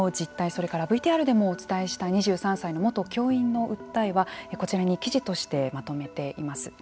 それからＶＴＲでもお伝えした２３歳の元教員の訴えはこちらに記事としてまとめています。